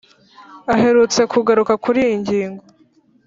aherutse kugaruka kuri iyi ngingo,